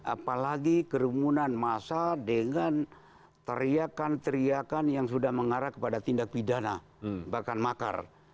apalagi kerumunan masa dengan teriakan teriakan yang sudah mengarah kepada tindak pidana bahkan makar